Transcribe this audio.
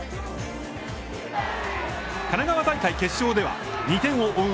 神奈川大会決勝では２点を追う